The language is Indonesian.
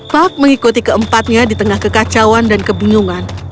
puck mengikuti keempatnya di tengah kekacauan dan kebunyungan